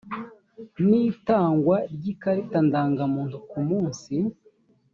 n itangwa ry ikarita ndangamuntu kumunsi